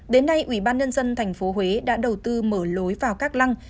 đến nay ủy ban nhân dân tp huế đã đầu tư mở lối vào các lăng